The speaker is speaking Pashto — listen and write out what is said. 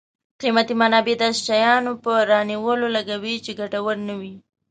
قیمتي منابع داسې شیانو په رانیولو لګوي چې ګټور نه وي.